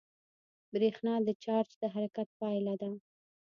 برېښنا د چارج د حرکت پایله ده.